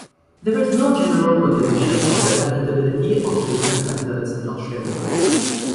There is no general prohibition on the patentability of business methods in Australia.